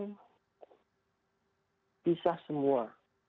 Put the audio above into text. jadi kita berempat ini kan bisa semua